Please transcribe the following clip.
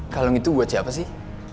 kalung itu buat siapa sih